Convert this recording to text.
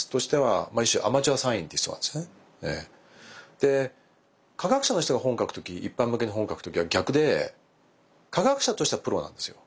で科学者の人が本書く時一般向けの本を書く時は逆で科学者としてはプロなんですよ。